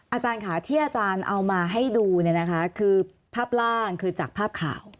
อาจารย์ค่ะที่อาจารย์เอามาให้ดูเนี่ยนะคะคือภาพร่างคือจากภาพข่าว